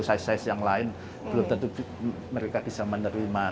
size size yang lain belum tentu mereka bisa menerima